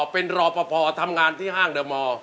เป็นรอปภทำงานที่ห้างเดอร์มอร์